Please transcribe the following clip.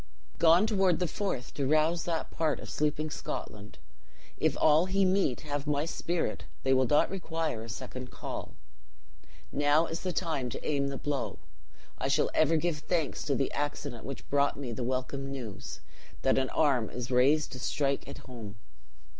"Gone toward the Forth, to rouse that part of sleeping Scotland. If all he meet have my spirit, they will not require a second call. Now is the time to aim the blow; I shall ever give thanks to the accident which brought me the welcome news, that an arm is raised to strike it home."